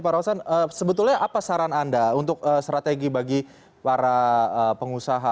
pak rosan sebetulnya apa saran anda untuk strategi bagi para pengusaha